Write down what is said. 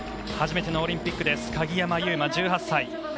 初めてのオリンピック鍵山優真１８歳。